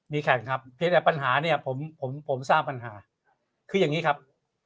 มีแข่งครับเพียงแต่ปัญหาเนี่ยผมผมทราบปัญหาคืออย่างนี้ครับ